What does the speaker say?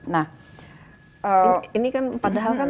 nah ini kan padahal kan